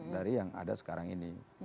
dari yang ada sekarang ini